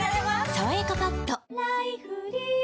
「さわやかパッド」菊池）